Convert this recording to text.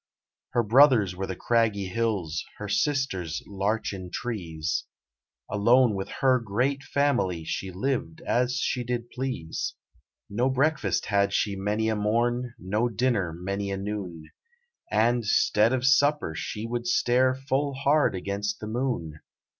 Her Brothers were the craggy hills, Her Sisters larchen trees Alone with her great family She liv'd as she did please. No breakfast had she many a morn, No dinner many a noon, And 'stead of supper she would stare Full hard against the Moon.